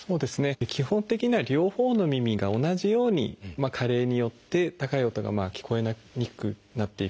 基本的には両方の耳が同じように加齢によって高い音が聞こえにくくなっていく。